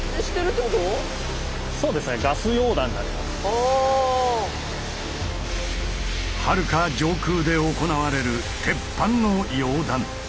これはるか上空で行われる鉄板の溶断。